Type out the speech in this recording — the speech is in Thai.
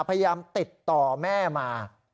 พยายามติดต่อแม่มา